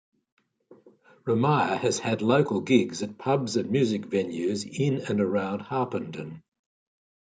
Remiah has had local gigs at pubs and music venues in and around Harpenden.